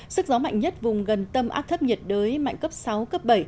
sức gió mạnh nhất vùng gần tâm áp thấp nhiệt đới mạnh cấp sáu cấp bảy